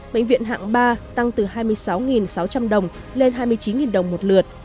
bệnh viện hạng ba tăng từ hai mươi sáu sáu trăm linh đồng lên hai mươi chín đồng một lượt